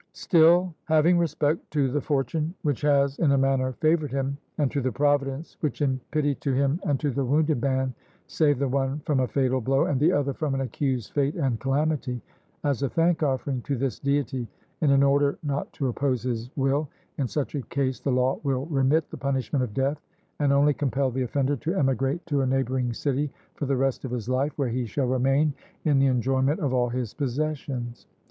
Still having respect to the fortune which has in a manner favoured him, and to the providence which in pity to him and to the wounded man saved the one from a fatal blow, and the other from an accursed fate and calamity as a thank offering to this deity, and in order not to oppose his will in such a case the law will remit the punishment of death, and only compel the offender to emigrate to a neighbouring city for the rest of his life, where he shall remain in the enjoyment of all his possessions.